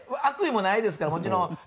悪意もないですからもちろん。